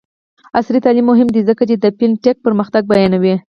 عصري تعلیم مهم دی ځکه چې د فین ټیک پرمختګ بیانوي.